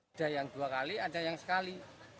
ada yang dua kali ada yang satu kali